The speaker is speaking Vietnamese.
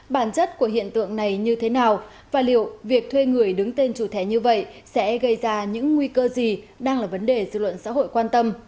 bản chất của hiện tượng này như thế nào và liệu việc thuê người đứng tên chủ thẻ như vậy sẽ gây ra những nguy cơ gì đang là vấn đề dư luận xã hội quan tâm